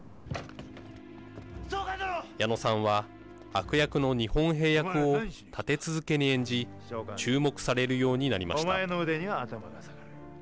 矢野さんは悪役の日本兵役を立て続けに演じ注目されるようになりました。